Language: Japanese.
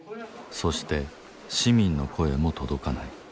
そして市民の声も届かない